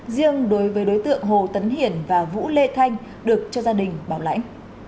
riêng đối với đối tượng hồ tấn hiển và vũ lê thanh được cho gia đình bảo lãnh